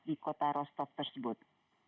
di kota rostov tersebut